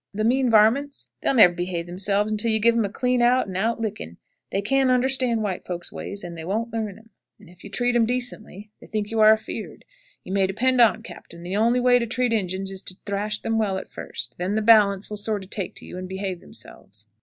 The mean varmints, they'll never behave themselves until you give um a clean out and out licking. They can't onderstand white folks' ways, and they won't learn um; and ef you treat um decently, they think you ar afeard. You may depend on't, Cap., the only way to treat Injuns is to thrash them well at first, then the balance will sorter take to you and behave themselves."